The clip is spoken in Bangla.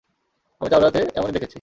আমি তাওরাতে এমনই দেখেছি।